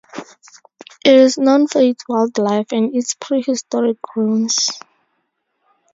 It is known for its wildlife and its prehistoric ruins.